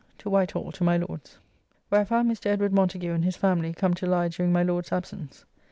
To Whitehall to my Lord's, where I found Mr. Edward Montagu and his family come to lie during my Lord's absence.